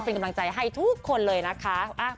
เป็นกำลังใจให้ทุกคนเลยนะคะ